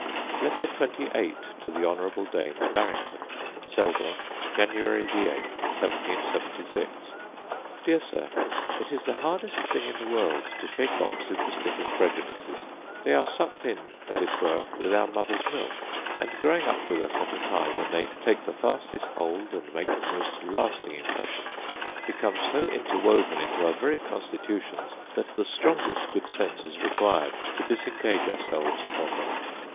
Letter XXVIII To The Honourable Daines Barrington Selborne, Jan. 8, 1776. Dear Sir, It is the hardest thing in the world to shake off superstitious prejudices: they are sucked in as it were with our mother's milk; and growing up with us at a time when they take the fastest hold and make the most lasting impressions, become so interwoven into our very constitutions, that the strongest good sense is required to disengage ourselves from them.